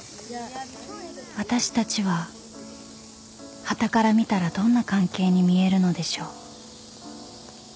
［私たちははたから見たらどんな関係に見えるのでしょう］